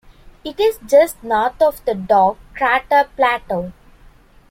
It is just north of the dark crater Plato.